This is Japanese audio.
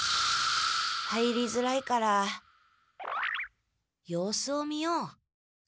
入りづらいから様子を見よう。